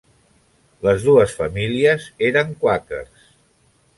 Les dues famílies eren quàquers.